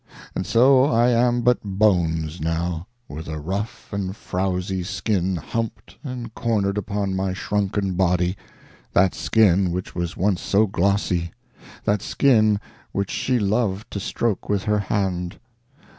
And so I am but bones, now, with a rough and frowsy skin humped and cornered upon my shrunken body—that skin which was once so glossy, that skin which she loved to stroke with her hand.